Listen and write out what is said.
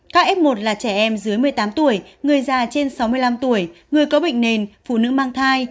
các f một là trẻ em dưới một mươi tám tuổi người già trên sáu mươi năm tuổi người có bệnh nền phụ nữ mang thai